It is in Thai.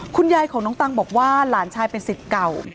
คุณยายของน้องตังบอกว่าหลานชายเป็นสิทธิ์เก่า